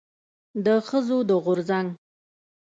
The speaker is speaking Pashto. د ښځو د غورځنګ